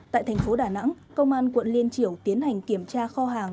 tại tp đà nẵng công an quận liên triểu tiến hành kiểm tra kho hàng